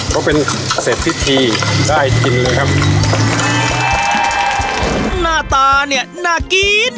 ก็เป็นเศษพิธีได้กินเลยครับหน้าตาเนี่ยน่ากิน